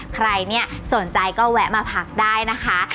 ใครเนี่ยสนใจก็แวะมาพักได้นะคะ